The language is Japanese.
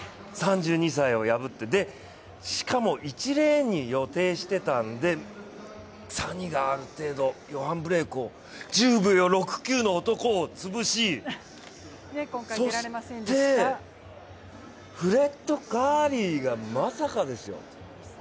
３２歳を破って、しかも１レーンに予定していたんでサニがある程度、ヨハン・ブレイクを１０秒６９の男を潰し、そしてフレッド・カーリーがまさかですよ。